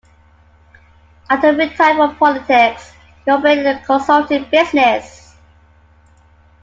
After retiring from politics, he operated a consulting business.